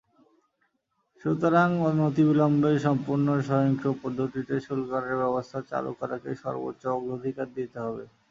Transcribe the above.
সুতরাং, অনতিবিলম্বে সম্পর্ণূ স্বয়ংক্রিয় পদ্ধতিতে শুল্কায়নের ব্যবস্থা চালু করাকে সর্বোচ্চ অগ্রাধিকার দিতে হবে।